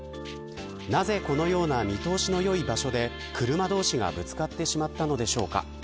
なぜ、このような見通しのよい場所で車同士がぶつかってしまったのでしょうか。